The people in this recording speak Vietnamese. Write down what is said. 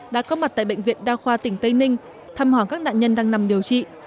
đã có mặt tại bệnh viện đa khoa tỉnh tây ninh thăm hỏi các nạn nhân đang nằm điều trị